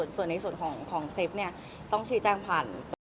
ส่วนในส่วนของเซฟต้องชีวิตแจ้งผ่าน